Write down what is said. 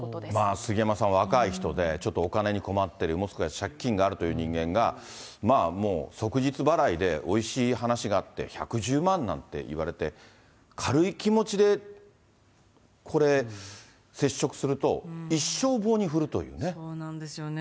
杉山さん、若い人で、ちょっとお金に困ってる、もしくは、借金があるという人間が、まあもう、即日払いで、おいしい話があって、１１０万なんて言われて、軽い気持ちでこれ、接触すると、そうなんですよね。